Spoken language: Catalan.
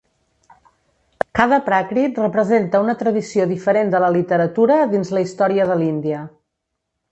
Cada pràcrit representa una tradició diferent de la literatura dins la història de l'Índia.